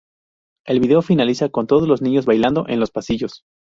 El vídeo finaliza con todos los niños bailando en los pasillos.